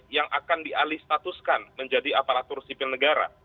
yang akan dialih statuskan menjadi aparatur sipil negara